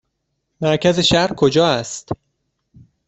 مرکز شهر کجا است؟